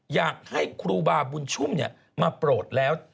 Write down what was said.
อยากให้ครูบาบุญชุ่มมาโปรดแล้ว